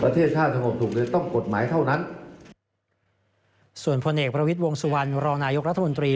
ประเทศชาติสงบถูกหรือต้องกฎหมายเท่านั้นส่วนพลเอกประวิทย์วงสุวรรณรองนายกรัฐมนตรี